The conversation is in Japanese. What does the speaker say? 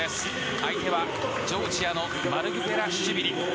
相手はジョージアのマルクベラシュビリ。